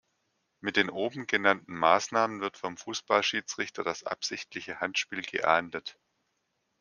Mit den oben genannten Maßnahmen wird vom Fußballschiedsrichter das „absichtliche Handspiel“ geahndet.